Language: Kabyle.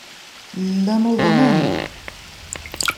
Llan uḍnen.